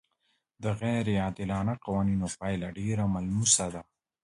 د غیر عادلانه قوانینو پایله ډېره ملموسه ده.